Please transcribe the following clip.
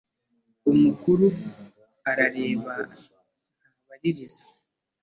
umukuru arareba ntabaririza